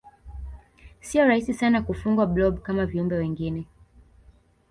siyo rahisi sana kufugwa blob kama viumbe wengine